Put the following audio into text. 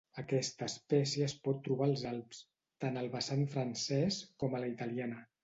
Aquesta espècie es pot trobar als Alps, tant al vessant francès, com a la italiana.